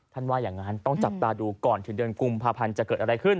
ว่าอย่างนั้นต้องจับตาดูก่อนถึงเดือนกุมภาพันธ์จะเกิดอะไรขึ้น